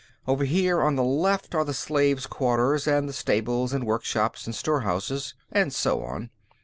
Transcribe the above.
"Over here, on the left, are the slaves' quarters and the stables and workshops and store houses and so on.